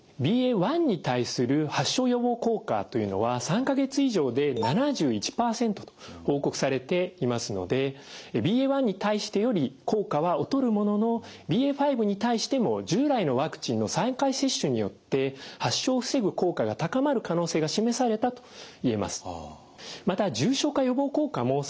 ＢＡ．１に対する発症予防効果というのは３か月以上で７１％と報告されていますのでＢＡ．１に対してより効果は劣るもののＢＡ．５に対しても従来のワクチンの３回接種によって発症を防ぐ効果が高まる可能性が示されたと言えます。